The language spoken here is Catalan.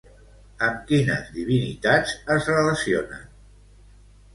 Amb quines divinitats es relacionen?